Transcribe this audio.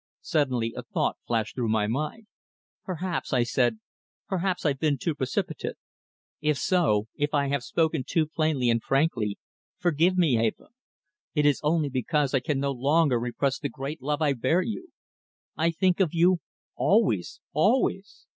Suddenly a thought flashed through my mind. "Perhaps," I said, "perhaps I've been too precipitate. If so if I have spoken too plainly and frankly forgive me, Eva. It is only because I can no longer repress the great love I bear you. I think of you always always.